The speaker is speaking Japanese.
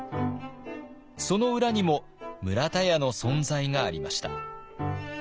その裏にも村田屋の存在がありました。